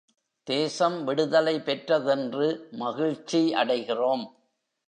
தேசம் விடுதலை பெற்றதென்று மகிழ்ச்சி அடைகிறோம்.